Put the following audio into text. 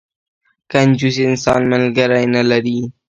کنجوس انسان، ملګری نه لري.